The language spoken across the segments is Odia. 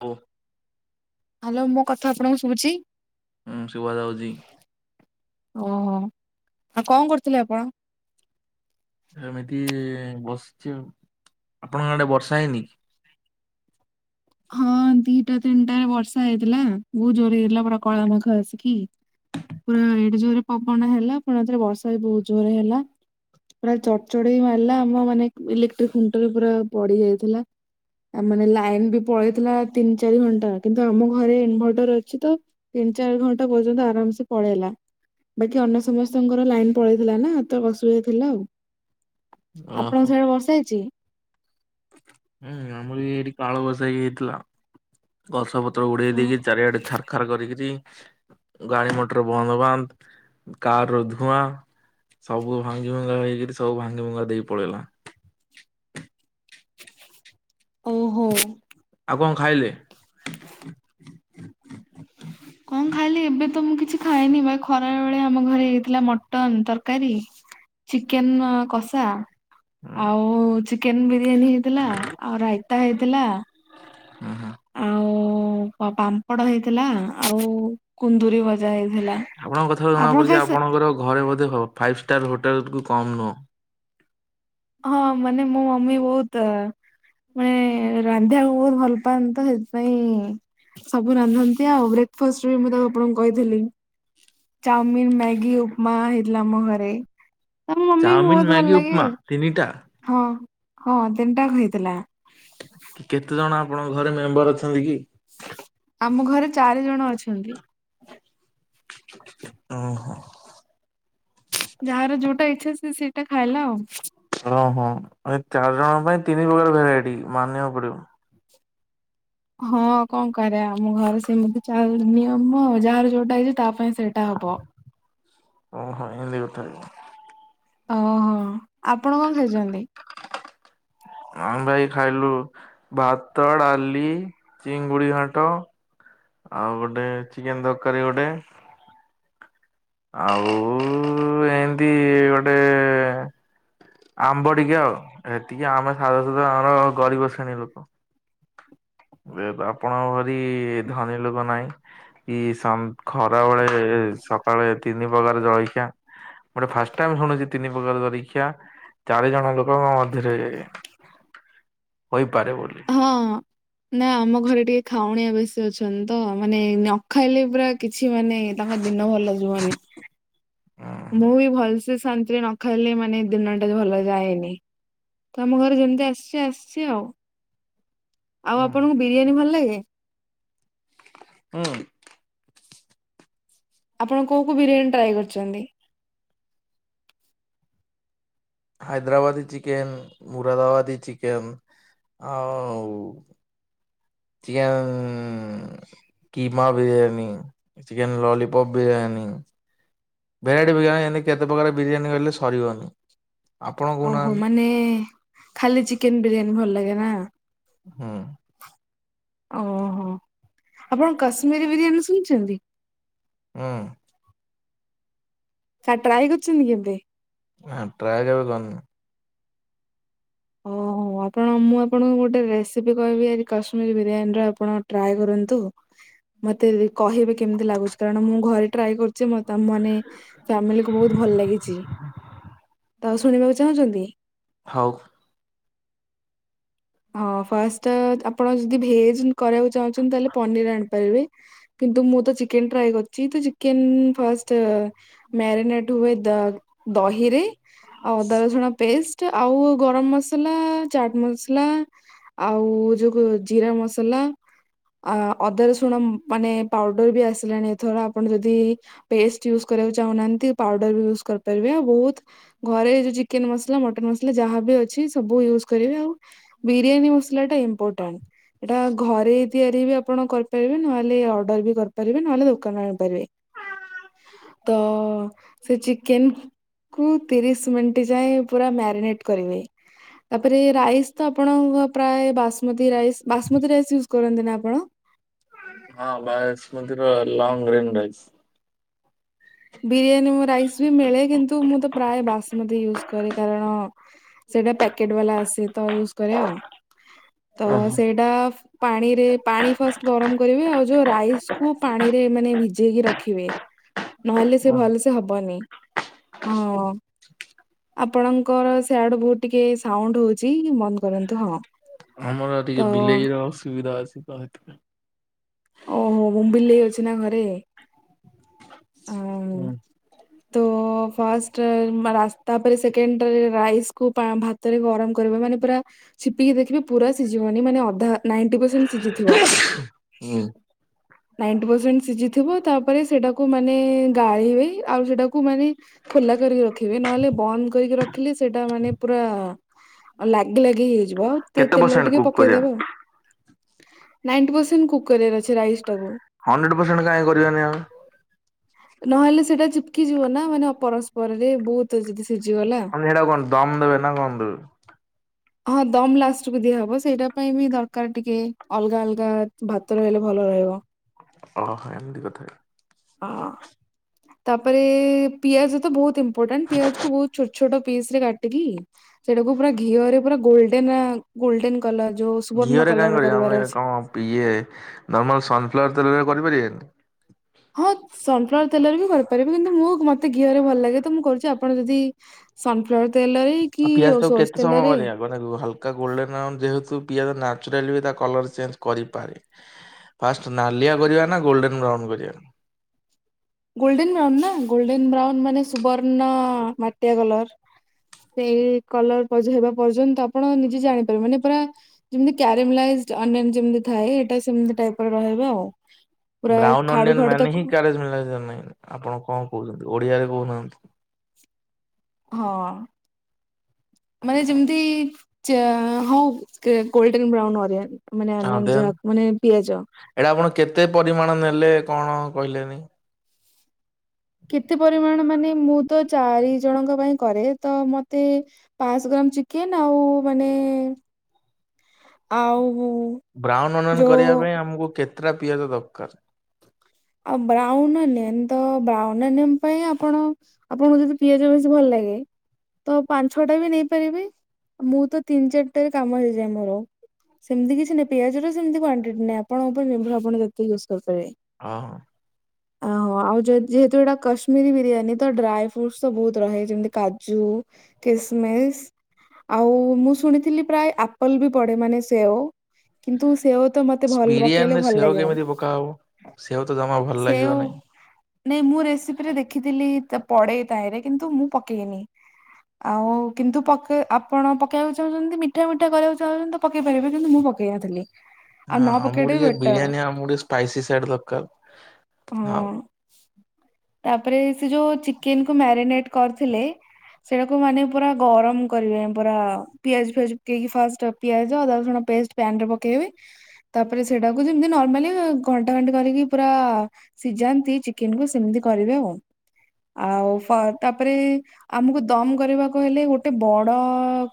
ଓ। ହାଲୋ ମୋ କଥା ଆପଣଙ୍କୁ ଶୁଭୁଚି? ହୁଁ ଶୁଭା ଯାଉଛି ଓହୋ ଆଉ କଣ କରୁଥିଲେ ଆପଣ? ଏମିତି ବସିଛି ଆଉ, ଆପଣଙ୍କ ଆଡେ ବର୍ଷା ହେଇନି କି? ହଁ ଦିଟା ତିନିଟାରେ ବର୍ଷା ହେଇଥିଲା ବହୁତ୍ ଜୋରରେ ହେଇଥିଲା ପୁରା କଳାମେଘ ଆସିକି। ପୁରା ଏଡେ ଜୋରରେ ପବନ ହେଲା ପୁଣି ଆଉ ଥରେ ବର୍ଷା ବି ବହୁତ୍ ଜୋରରେ ହେଲା। ପୁରା ଚଡଚଡ଼ି ମାରିଲା ଆମ ମାନେ ଇଲେକ୍ଟ୍ରିକ ଖୁଣ୍ଟରେ ପୁରା ପଡି ଯାଇଥିଲା। ଆ ମାନେ ଲାଇନ୍ ବି ପଳେଇଥିଲା ତିନି ଚାରି ଘଣ୍ଟା କିନ୍ତୁ ଆମ ଘରେ ଇନଭର୍ଟର ଅଛି ତ ତିନି ଚାରି ଘଣ୍ଟା ପର୍ଯ୍ୟନ୍ତ ଆରାମସେ ପଳେଇଲା। ବାକି ଅନ୍ୟ ସମସ୍ତଙ୍କର ଲାଇନ୍ ପଳେଇଥିଲା ନା ତ ଅସୁବିଧା ଥିଲା ଆଉ। ଆପଣଙ୍କ ଓହୋ ସାଡେ ବର୍ଷା ହେଇଚି? ହୁଁ ଆମର ବି ଏଇଠି କାଳବୈଶାଖୀ ହେଇଥିଲା ଗଛପ ତ୍ର ଉଡେଇ ଦେଇକି ଚାରିଆଡେ ଛାରଖାର କରିକି ଗାଡି ମଟର ବନ୍ଦ ବାନ୍ଦ। କାରର ଧୂଆଁ ସବୁ ଭାଙ୍ଗି ଭୁଙ୍ଗା ହେଇକିରି ସବୁ ଭାଙ୍ଗି ଭୁଙ୍ଗା ଦେଇ ପଳେଇଲା। ଓହୋ। ଆଉ କଣ ଖାଇଲେ? କଣ ଖାଇଲି ଏବେ ତ ମୁଁ କିଛି ଖାଇନି ବା ଖରାବେଳେ ଆମ ଘରେ ହେଇଥିଲା ମଟନ୍ ତରକାରୀ ଚିକେନ୍ କଷା ହୁଁ ଆଉ ଚିକେନ୍ ବିରିୟାନୀ ହେଇଥିଲା ଆଉ ରାଇତା ହେଇଥିଲା ହୁଁ-ହୁଁ। ହୋ ପାମ୍ପଡ ହେଇଥିଲା, ଆଉ କୁନ୍ଦୁରି ଭଜା ହେଇ ଆପଣଙ୍କ କଥାରୁ ଜଣା ପଡୁଛି ଆପଣଙ୍କର ଘରେ ବୋଧେ ଫାଇଭ ଷ୍ଟାର ହୋଟେଲରୁ କମ ନୁହଁ। ହଁ ମାନେ ମୋ ମମି ବହୁତ୍ ଆ ମାନେ ରାନ୍ଧିବାକୁ ବହୁତ୍ ଭଲ୍ ପାଆନ୍ତି ତ ସେଥିପାଇଁ ସବୁ ରାନ୍ଧନ୍ତି ଆଉ, ବ୍ରେକଫାଷ୍ଟ ବି ମୁଁ ତ ଆପଣଙ୍କୁ କହିଥିଲି। ଚାଉମିନ୍, ମ୍ୟାଗି, ଉପମା ହେଇଥିଲା ଆମ ଘରେ, ତମ ମମିକି ଚାଉମିନ ବହୁତ ମ୍ୟାଗି ଭଲ ଲାଗେ? ଉପମା ତିନିଟା? ହଁ-ହଁ ତିନଟା କ ହେଇଥିଲା। କେତେଜଣ ଆପଣଙ୍କ ଘରେ ମେମ୍ବର ଅଛନ୍ତି କି? ଆମଘରେ ଚାରିଜଣ ଅଛନ୍ତି। ଉଁ-ହୁଁ। ଯାହାର ଯଉଟା ଇଚ୍ଛା ସେ ସେଇଟା ଖାଇଲା ଆଉ। ଅ ହଁ ଏ ଚାରି ଜଣଙ୍କ ପାଇଁ ତିନି ପ୍ରକାର ଭେରାଇଟି ମାନିବାକୁ ପଡିବ। ହଁ କଣ କରିଆ ଆମ ଘରେ ସେମିତି ଚାଲେ ନିୟମ ଯାହାର ଯୋଉଟା ଇଛା ତା ପାଇଁ ସେ ସେଟା ହବ। ଓ ହଁ ଏମିତି କଥା କି? ଓହୋ ଆପଣ କଣ ଖାଇଛନ୍ତି? ଆମେ ପା ଏଇ ଖାଇଲୁ ଭାତ, ଡାଲି, ଚିଙ୍ଗୁଡ଼ି ଘାଣ୍ଟ। ଆଉ ଗୋଟେ ଚିକେନ୍ ତରକାରୀ ଗୋଟେ। ଆଉ। ଏମିତି ଗୋଟେ [inaudible] ଆମ୍ବ ଟିକେ ଆଉ, ଏତିକି ଆମେ ସାଧା ସୁଧା ଆମର ଗରିବ ଶ୍ରେଣୀ ଲୋକ। ଏବ୍ ଆପଣଙ୍କ ପରି ଧନୀ ଲୋକ ନାଇଁ। କି ମ୍ ଖରାବେଳେ ସକାଳେ ତିନି ପ୍ରକାରେ ଜଳଖିଆ। ଗୋଟେ ଫାଷ୍ଟ ଟାଇମ୍ ଶୁଣୁଛି ତିନି ପ୍ରକାରେ ଜରିଖିଆ। ଚାରି ଜଣ ଲୋକଙ୍କ ମଧ୍ୟରେ ହୋଇପାରେ ବୋଲି। ହଁ ନା ଆମ ଘରେ ଟିକେ ଖାଉଣିଆ ବେଶୀ ଅଛନ୍ତି ତ ମାନେ ନ ଖାଇଲେ ପୁରା କିଛି ମାନେ ତାଙ୍କ ଦିନ ଭଲ ଯିବନି। ହୁଁ। ମୁଁ ବି ଭଲସେ ଶାନ୍ତିରେ ନ ଖାଇଲେ ମାନେ ଦିନଟା ଭଲ ଯାଏନି। ତ ଆମ ଘରେ ଯେମିତି ଆସିଚି ଆସିଚି ଆଉ। ଆଉ ଆପଣଙ୍କୁ ବିରିୟାନୀ ଭଲ ଲାଗେ? ହଁ। ଆପଣ କୋଉ କୋଉ ବିରିୟାନୀ ଟ୍ରାଏ କରିଛନ୍ତି? ହାଇଦ୍ରାବାଦୀ ଚିକେନ୍ ମୁୁରାଦାବାଦୀ ଚିକେନ୍ ଆଉ ଚିଆ ଉଁ। Keema biryani chicken lollipop biryani. Variety biryani ଏମିତି କେତେ ପ୍ରକାର ବିରିୟାନୀ କହିଲେ ସରିବନି ଆପଣ କହୁନାହାନ୍ତି? ନେ। ଖାଲି ଚିକେନ୍ ବିରିୟାନୀ ଭଲ ଲାଗେ ନା? ହୁଁ। ଓହୋ ଆପଣ କଶ୍ମୀରୀ ବିରିୟାନୀ ଶୁଣିଛନ୍ତି? ହୁଁ। କା ଟ୍ରାଏ କରିଛନ୍ତି କେମତି? ନାଁ ଟ୍ରାଏ କେବେ କରିନି। ଓହୋ। ଆପଣ ମୁଁ ଆପଣଙ୍କୁ ଗୋଟେ ରେସିପି କହିବି ଆଜି କାଶ୍ମୀର ବିରିୟାନୀର ଆପଣ ଟ୍ରାଏ କରନ୍ତୁ। ମତେ କହିବେ କେମିତି ଲାଗୁଛି, କାରଣ ମୁଁ ଘରେ ଟ୍ରାଏ କରୁଛି ମ ତ ମାନେ ଫ୍ୟାମିଲି କୁ ବହୁତ୍ ଭଲ ଲାଗିଛି ତ ଆଉ ଶୁଣିବାକୁ ଚାହୁଁଛନ୍ତି? ହଉ। ହଁ ଫାଷ୍ଟ ଆପଣ ଯଦି ଭେ ଜିନ୍ କରିବାକୁ ଚାହୁଁଛନ୍ତି ତାହଲେ ପନିର ଆଣିପାରିବେ। କିନ୍ତୁ ମୁଁ ତ ଚିକେନ୍ ଟ୍ରାଏ କରି ଯେହେତୁ ଚିକେନ୍ ଫାଷ୍ଟ ମ୍ୟାରିନେଟ୍ ହୁଏ ଦ ଦହିରେ ଆଉ ଅଦା ରସୁଣ ପେଷ୍ଟ, ଆଉ ଗରମ ମସଲା ଚାଟ୍ ମସ ଲା ଆଉ ଯୋଉ କୋ ଜିରା ମସଲା। ଆ ଅଦା ରସୁଣ ମାନେ ପାଉଡର ବି ଆସିଲାଣି ଏଥର ଆପଣ ଯଦି ପେଷ୍ଟ ଇୟୁଜ୍ କରିବାକୁ ଚାହୁଁନାହାନ୍ତି ପାଉଡର ବି ୟୁଜ୍ କରିପାରିବେ ଆଉ ବହୁତ୍ ଘରେ ଯୋଉ ଚିକେନ୍ ମସଲା ମଟନ୍ ମସଲା ଯାହା ବି ଅଛି ସବୁ ଇୟୁଜ କରିବେ ଆଉ ବିରିୟାନୀ ମସଲା ଟା ଇମ୍ପୋର୍ଟାଣ୍ଟ, ଏଟା ଘରେ ତିଆରି ବି ଆପଣ କରିପାରିବେ, ନହେଲେ ଅର୍ଡ଼ର ବି କରିପାରିବେ ନହେଲେ ଦୋକାନରୁ ବି ଆଣିପାରିବେ। ତ ସେ ଚିକେନ କୁ ତିରିଶ ମିନିଟ ଯାଏ ପୁରା ମ୍ୟାରିନେଟ କରିବେ ତାପରେ ରାଇସ୍ ତ ଆପଣଙ୍କ ପ୍ରାୟ basmati rice basmati rice use କରନ୍ତି ନା ଆପଣ? ହଁ ବାୟେଶ ମତିର ଲଙ୍ଗରେନ ରାଇସ୍। ବିରିୟାନୀ ମୋ ରାଇସ ବି ମିଳେ କିନ୍ତୁ ମୁଁ ତ ପ୍ରାୟ ବାସମତୀ ୟୁଜ୍ କରେ କାରଣ ସେଟା ପ୍ୟାକେଟ ବାଲା ଆସେ। ତ ୟୁଜ କରେ ଆଉ ତ ଓହୋ ସେଇଟା ପାଣିରେ ପାଣି ଫାଷ୍ଟ ଗରମ କରିବେ ଆଉ ଯୋଉ ରାଇସ୍କୁୁ ପାଣିରେ ମାନେ ଭିଜେଇକି ରଖିବେ। ନହେଲେ ସେ ଓହୋ। ଭଲ ସେ ହବନି ହଁ। ଆପଣଙ୍କର ସେଆଡୁ ବହୁତ ଟିକେ ସାଉଣ୍ଡ ହୋଉଛି ବନ୍ଦ କରନ୍ତୁ ହଁ। ଆମର ତ ଟିକେ ବିଲେଇର ଅସୁବିଧା ଅଛି ତ ସେଥିପାଇଁ। ଓହୋ ଉଁ ବିଲେଇ ଅଛି ନା ଘରେ? ହୁଁ ତ ଫାଷ୍ଟ୍ ରାସ୍ତା ପରେ ସେକେଣ୍ଡରେ ରାଇସ୍ କୁ ଭାତ୍ ରେ ଗରମ କରିବ ମାନେ ପୁରା ଛିପିକି ଦେଖିବେ ପୁରା ସିଝିବନି ମାନେ ଅଧା ନାଇଣ୍ଟ ପ ସେଣ୍ଟ ସିଯିଥିବ। ହୁଁ ନାଇଣ୍ଟି ପର୍ସେଣ୍ଟ ଶିଯିଥିବ ତାପରେ ସେଟାକୁ କୁ ମାନେ ଗାଳିବେ ଆଉ ସେଟାକୁ ମାନେ ଖୋଲା କରିକି ରଖିବେ ନହେଲେ ବନ୍ଦ କରିକି ରଖିଲେ ସେଇଟା ମାନେ ପୁରା ଅ ଲାଗି ଲାଗି ହେଇଯିବ ତେ କେତେ ତେଲ ପରସେଣ୍ଟ ଟିକେ କୁକ୍ କରିବା ପକେଇଦେବେ ଆଉ। ନାଇଣ୍ଟି ପରସେଣ୍ଟ କୁକ୍ କରିବାର ଅଛି ରାଇସଟାକୁ। ହଣ୍ଡ୍ରେଡ ପରସେଣ୍ଟ କାହିଁ କରିବାନି ଆମେ? ନହେଲେ ସେଇଟା ଚିପକି ଯିବ ନା ମାନେ ପରସ୍ପରରେ ବହୁତ ଯଦି ସିଝିଗଲା ମାନେ ସେଇଟା କଣ ଦମ ଦେବେ ନା କଣ ଦେବେ? ହଁ ଦମ ଲାଷ୍ଟକୁୁ ଦିଆହବ ସେଇଟା ପାଇଁ ବି ଦରକାର ଟିକେ ଅଲଗା ଅଲଗା ଭାତ ରହିଲେ ଭଲ ରହିବ। ଓ ହ ଏମିତି କଥା। ହଁ ତାପରେ ପିଆଜ ତ ବହୁତ ଇ ମ୍ପୋଟାଣ୍ଟ ପିଆଜକୁ ବହୁତ ଛୋଟ ଛୋଟ ପିସରେ କାଟିକି ସେଟାକୁ ପୁରା ଘିଅରେ ପୁରା ଗୋଲଡେନ ଆ ଗୋଲଡେନ କଲର ଯୋଉ ସୁବର୍ଣ୍ଣ ଘିଅରେ କାହିଁ କଲର କରିବା କରିବାର ଆମେ ଅଛି। କଣ ଇଏ ନର୍ମାଲ ସନ୍ଫ୍ଲାୱାର ତେଲରେ କରିପାରିବାନି? ହଁ ସନ୍ ଫ୍ଲାୱାର ତେଲରେ ବି କରିପାରିବେ କିନ୍ତୁ ମୁଁ ମତେ ଘିଅରେ ଭଲ ଲାଗେ ତ ମୁଁ କରୁଛି ଆପଣ ଯଦି ସନଫ୍ଲାୱାର ତେଲରେ ଆଉ କି ପିଆଜ ଟାକୁ କେତେ ସୋରିଷ ସମୟ ତେଲରେ କରିବା ମାନେ ହଲକା ଗୋଲଡେନ ଯେହେତୁ ପିଆଜ ନାଚୁରାଲି ବି ତା କଲର ଚେଞ୍ଜ କରିପାରେ ଫାଷ୍ଟ ନାଲିଆ କରିବା ନା ଗୋଲ୍ଡେନ୍ ବ୍ରାଉନ୍ କରିବା? ଗୋଲଡେନ ବ୍ରାଉନ ନା ଗୋଲଡେନ ବ୍ରାଉନ ମାନେ ସୁବର୍ଣ୍ଣ ମାଟିଆ କଲର। ସେଇ କଲର ପଜ ହେବା ପର୍ଯ୍ୟନ୍ତ ଆପଣ ନିଜେ ଜାଣିପାରିବେ ମାନେ ପୁରା ଯେମିତି କ୍ୟାରମଲାଇଜ ଅନ୍ୟାନ ଯେମିତି ଥାଏ ଏଇଟା ସେମିତି ଟାଇପ ରହିବ ଆଉ। ପୁରା ବ୍ରାଉନ ଖାଡୁ ଓନିଅନ ଖାଡୁ ମାନେ ହିଁ ତାକୁ କ୍ୟାରେଜ [unintelligible] ନାହିଁ ଆପଣ କଣ କହୁଛନ୍ତି ଓଡିଆରେ କହୁନାହାନ୍ତି? ହଁ ମାନେ ଯେମିତି ଚା ହୋଉ କେ ଗୋଲଡେନ୍ ବ୍ରାଉନ ଅରିଆନ ମାନେ ହଁ ଓନିଆନ ଦେନ୍ ଯାହା ମାନେ ପିଆଜ ଏଇଟା ଆପଣ କେତେ ପରିମାଣ ନେଲେ କଣ କହିଲେନି? କେତେ ପରିମାଣ ମାନେ ମୁଁ ତ ଚାରି ଜଣଙ୍କ ପାଇଁ କରେ ତ ମତେ ପାଞ୍ଚଶହ ଗ୍ରାମ ଚିକେନ ଆଉ ମାନେ ଆଉ ବ୍ରାଉନ ଅନିଅନ ଯୋଉ କରିବା ପାଇଁ ଆମକୁ କେତେଟା ପିଆଜ ଦରକାର? ଆଉ ବ୍ରାଉନ ଓନିଅନ୍ ତ ବ୍ରାଉନ ଓନିଅନ୍ ପାଇଁ ଆପଣ ଆପଣଙ୍କୁ ଯଦି ପିଆଜ ବେଶୀ ଭଲ ଲାଗେ ତ ପାଞ୍ଚ ଛଅ ଟା ବି ନେଇ ପାରିବେ। ମୁଁ ତ ତିନି ଚାରିଟାରେ କାମ ହେଇଯାଏ ମୋର ସେମିତି କିଛି ନାହିଁ ପିଆଜ ର ସେମିତି କ୍ଵାଣ୍ଟିଟ୍ ନାହିଁ ଆପ ଆପଣଙ୍କ ଉପରେ ନିର୍ଭର ଆପଣ ଯେତେ ୟୁଜ୍ କରିପାରିବେ। ଅହୋ। ଓହୋ ଆଉ ଯ ଯେହେତୁ ଏଇଟା କାଶ୍ମୀର ବିରିୟାନୀ ତ ଡ୍ରାଏ ଫ୍ରୁଟ୍ସ ତ ବହୁତ ରହେ ଯେମିତି କାଜୁ ଖ୍ରସମସ ଆଉ ମୁଁ ଶୁଣିଥିଲି ପ୍ରାୟ ଆପଲ ବି ପଡେ ମାନେ ସେଓଉ କିନ୍ତୁ ସେଓ ତ ମତେ ଭଲ ପକେଇଲେ ଭଲ ଲାଗେ ମାନେ ଉ ସେଉ ତ ଜମା ଭଲ ଲାଗିବ ନାହିଁ ନାଇଁ ମୁଁ ରେସିପିରେ ଦେଖିଥିଲି ପଡେଇ ତାାଇରେ କିନ୍ତୁ ମୁଁ ପକେଇନି ଆଉ କିନ୍ତୁ ପକେଇ ଆପଣ ପକେଇବାକୁ ଚାହୁଁଛନ୍ତି ମିଠା ମିଠା କରିବାକୁ ଚାହୁଁଛନ୍ତି ପକେଇ ପାରିବେ କିନ୍ତୁ ମୁଁ ପକେଇବା ଥିଲି ହଁ ଆମକୁ ଟିକେ ବିରିୟାନୀ ଆମକୁ ଟିକେ ସ୍ପାଇସି ସଡ୍ ଦରକାର ହଁ ତାପରେ ସେ ଯୋଉ ଚିକେନ କୁ ମ୍ୟାରିନେଟ କରିଥିଲେ ସେଇଟାକୁ ମାନେ ପୁରା ଗରମ କର ପୁରା ପିଆଜ ଫିଆ ପେଇକ ଫା ପିଆଜ ଅଦା ରସୁଣ ପେଷ୍ଟ ପ୍ୟାନ ରେ ପକେଇବି ତାପରେ ସେଟାକୁ ଯେମତି ନର୍ମାଲି ଟାଣ୍ କରିକି ପୁରା ସିଝାନ୍ତି ଚିକେନକୁୁ ସେମିତି କରିବେ ଆଉ ଆଉ ତାପରେ ଆମକୁ ଦମ କରିବାକୁ ହେଲେ ଗୋଟେ ଗୋଟେ ବଡ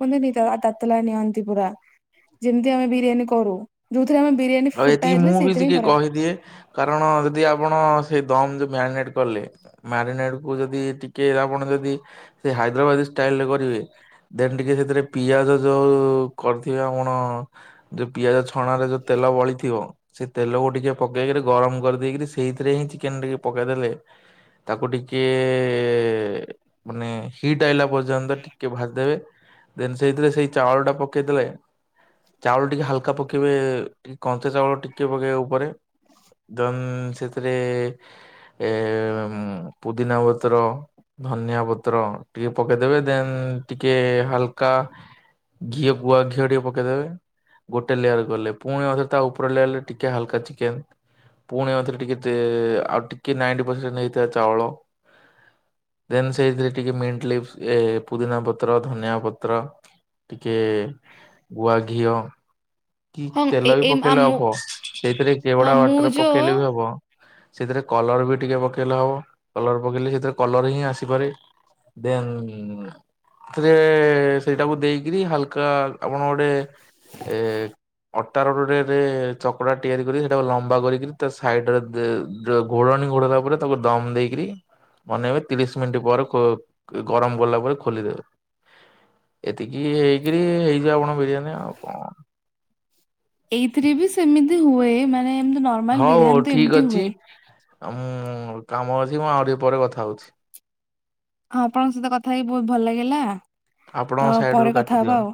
କୁହନ୍ତି ନି ତାତଲା ନିଅନ୍ତି ପୁରା ଯେମିତି ଆମେ ବିରିୟାନୀ କରୁ ଯୋଉଥିରେ ଆମେ ବିରିୟାନୀ ଫୁଟା ହେଇଥିଲେ ସେଇଥିରେ ହିଁ କର ଦିଏ କାରଣ ଯଦି ଆପଣ ସେ ଦମ ଯ ମାରିନେଟ କଲେ ମାରିନେଟ କୁ ଯଦି ଟିକେ ଆପଣ ଯଦି ସେ ହାଇଦ୍ରାବାଦୀ ଷ୍ଟାଇଲ ରେ କରିବେ। ଦେନ ଟିକେ ସେଥିରେ ପିଆଜ ଯୋଉ କରିଥିବେ ଆମ। ଯୋଉ ପିଆଜ ଛଣାରେ ଯୋଉ ତେଲ ବଳିଥିବ। ସେ ତେଲକୁ ଟିକେ ପକେଇକିରି ଗରମ କରିଦେଇକିରି ସେଇଥିରେ ହିଁ ଚିକେନ ଟିକେ ପକେଇଦେଲେ। ତାକୁ ଟିକେ ମାନେ ହିଟ୍ ଆଇଲା ପରେ। ଟିକେ ଭାଜି ଦେବେ। ଦେନ ସେଇଥିରେ ସେଇ ଚାଉଳ ଟା ପକେଇ ଦେଲେ। ଚାଉଳ ଟିକେ ହାଲକା ପକେଇବେ। ଟିକେ କଞ୍ଚା ଚାଉଳ ଟିକେ ପକେଇବେ ଉପରେ। ଦମ୍ ସେଥିରେ। ଏ ପୁଦିନା ପତ୍ର, ଧନିଆ ପତ୍ର। ଟିକେ ପକେଇଦେବେ ଦେନ୍ ଟିକେ ହାଲକା ଘିଅ ଗୁଆ ଘିଅ ଟିକେ। ଗୋଟେ ଲେୟାର ଗଲେ ପୁଣି ଆଉଥରେ ତା ଉପରେ ଲେୟାର ଟିକେ ହାଲକା ଚିକେନ୍। ପୁଣି ଆଉଥରେ ଟିକେ ଆଉ ଟିକେ ନାଇଟି ପରସେଣ୍ଟ ହେଥିଲା ଚାଉଳ। ଦେନ୍ ସେଇଥିରେ ଟିକେ ମିଣ୍ଟ ଲିଭ୍ସ ଏ ପୁଦିନା ପତ୍ର, ଧନିଆ ପତ୍ର। ଟିକେ। ଗୁଆ ଘିଅ। କି ହଁ ଏ ତେଲ ବି ଏ ପକେଇଲେ ଆମ ହବ ସେଇଥିରେ ହଁ କେଉଡା ମୁଁ ୱାଟର ଯୋଉ ପକେଇଲେ ବି ହବ ସେଥିରେ କଲର ବି ଟିକେ ପକେଇଲା ହବ କଲର ପକେଇଲେ ସେଥିରେ କଲର ହିଁ ଆସିପାରେ ଦେନ୍ ସେଥିରେ ସେଇଟାକୁ ଦେଇକରି ହାଲକା କଣ ଗୋଟେ ଏ। ଅଟା ରଟରେ ଚକଡା ତିଆରି କରି ସେଟା ଲମ୍ବା କରିକ ତା ସାଇଡରେ ଦେ। ଯୋଉ ଘୋଡ଼ଣି ଘୋଡିଲା ପରେ ତାକୁ ଦମ ଦେଇକିରି। ମନେଇବେ ତିରିଶ ମିନିଟ୍ ପରେ କୋ ଗରମ ଗଲା ପରେ ଖୋଲିଦେବେ। ଏତିକି ହେଇକରି ହେଇ। ଆଣ ବିରିୟାନୀ ଆଉ କଣ। ଏଇଥିରେ ବି ସେମିତି ହୁଏ ମାନେ ଏମତି ନର୍ମାଲ ହଉ ବିରିୟାନୀ ହଉ ତ ଠିକ ଏମତି ହୁଏ। ଅଛି ଆଉ ମୁଁ କାମ ଅଛି। ମୁଁ ଆଉ ଟିକେ ପରେ କଥା ହଉଛି। ହଁ ଆପଣଙ୍କ ସହିତ କଥା ହେଇକି ବହୁତ ଭଲ ଲାଗିଲା ତ ଆପଣଙ୍କ ସାଇଡ ରୁ ପରେ କଥା କାଟି ଦିଅନ୍ତୁ। ହବା ଆଉ।